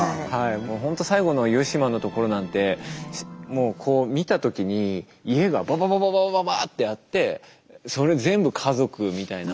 もうほんと最後の湯島のところなんてもうこう見た時に家がバババババババッてあってそれ全部家族みたいな。